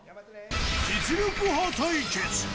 実力派対決。